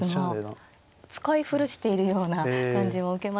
使い古しているような感じも受けますね。